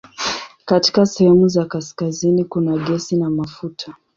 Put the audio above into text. Katika sehemu za kaskazini kuna gesi na mafuta.